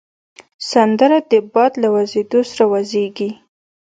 سندره د باد له وزېدو سره وږیږي